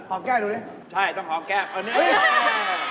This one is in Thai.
หอมแก้ดูนี่ใช่ต้องหอมแก้อันนี้